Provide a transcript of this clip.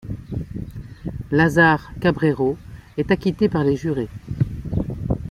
Lazare Cabrero est acquitté par les jurés.